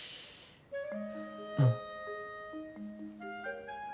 うん。